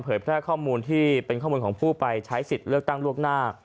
แพร่ข้อมูลที่เป็นข้อมูลของผู้ไปใช้สิทธิ์เลือกตั้งล่วงหน้า